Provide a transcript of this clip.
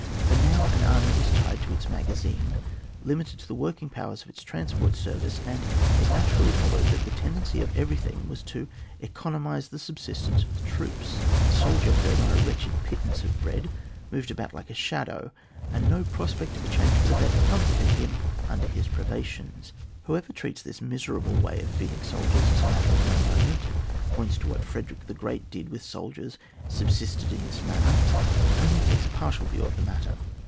For now an army was tied to its magazines, limited to the working powers of its transport service, and it naturally followed that the tendency of everything was to economise the subsist ence of the troops. The soldier fed on a wretched pittance of bread, moved about like a shadow, and no prospect of a change for the better comforted him xmder his privations. Whoever treats this miserable way of feeding soldiers as a matter of no moment, and points to what Frederick the Great did with soldiers subsisted in this manner, only takes a partial view of the matter.